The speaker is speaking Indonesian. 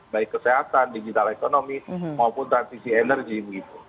baik kesehatan digital ekonomi maupun transisi energi begitu